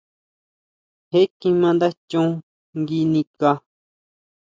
Je kjima nda chon nguinikʼa.